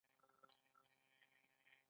دوی پردو مېلمنو ته هم ډوډۍ ورکوله.